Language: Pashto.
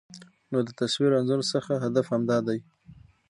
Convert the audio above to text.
نو د تصوير انځور څخه هدف همدا دى